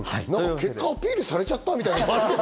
結果、アピールされちゃったみたいな。